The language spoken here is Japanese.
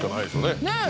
ねえ！